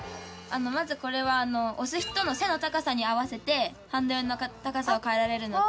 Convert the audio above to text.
まずこれは押す人の背の高さに合わせてハンドルの高さを変えられるのと。